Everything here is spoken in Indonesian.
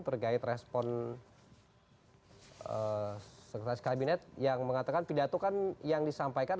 terkait respon sekretaris kabinet yang mengatakan pidato kan yang disampaikan